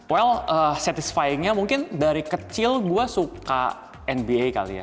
well satisfyingnya mungkin dari kecil gue suka nba kali ya